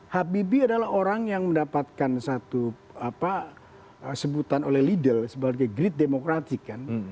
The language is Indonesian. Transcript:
habibie adalah orang yang mendapatkan satu sebutan oleh liddle sebagai grid democratic kan